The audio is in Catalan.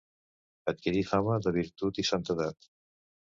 Adquirí fama de virtut i santedat.